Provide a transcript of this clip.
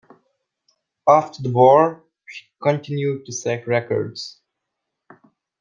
After the war, she continued to set records.